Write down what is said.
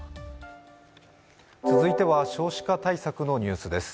続いては少子化対策のニュースです。